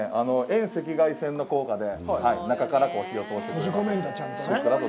遠赤外線の効果で、中から火を通してくれます。